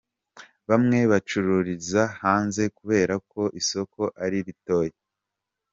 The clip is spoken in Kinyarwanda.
Bamwe bacururiza hanze kubera ko isoko ari ritoya.